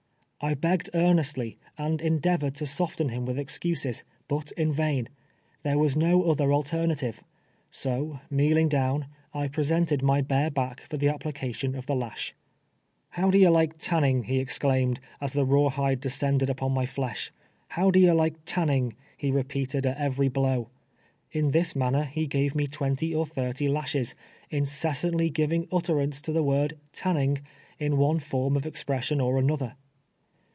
I begged earnestly, and endeavored to soften him with excuses, but in vain. There was no other alter native ; so kneeling down, I presented my bare back fur the application of the lash. " How do you like tanning?^'' he exclaimed, as the rawhide descended upon my flesh. '" How do you Yikii ianjiing ?''"' \xQ repeated at every blow. In this manner he gave me twenty or thirty lashes, inccs santlv ^rivini): utterance to the word " tannine;," in one form of expression or another.